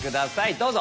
どうぞ。